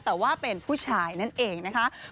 แต่ว่าเป็นผู้ชายนั่นเองนะคะ